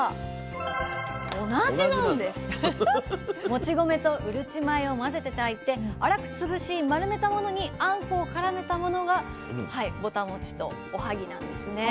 もち米とうるち米を混ぜて炊いて粗く潰し丸めたものにあんこを絡めたものがぼたもちとおはぎなんですね。